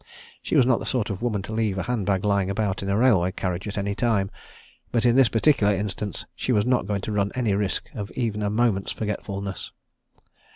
She was not the sort of woman to leave a hand bag lying about in a railway carriage at any time, but in this particular instance she was not going to run any risk of even a moment's forgetfulness.